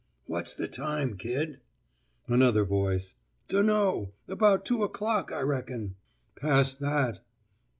_ 'What's the time, kid?' Another voice. 'Dunno. About 2 o'clock, I reckon.' 'Past that.